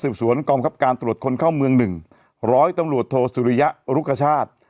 สวนกองคับการตรวจคนเข้าเมืองหนึ่งร้อยตำรวจโทสุริยะรุกชาติ